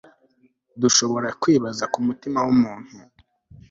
dushobora kwibaza ku mutima w'umuntu